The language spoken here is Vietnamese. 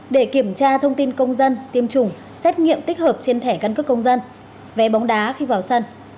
để kiểm tra thông tin công dân tiêm chủng xét nghiệm tích hợp trên thẻ căn cước công dân vé bóng đá khi vào sân